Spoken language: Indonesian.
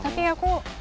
iya tapi aku